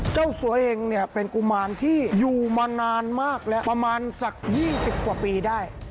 เจ้าสัวเองเนี่ยเป็นกุมารที่อยู่มานานมากแล้วประมาณสัก๒๐กว่าปีได้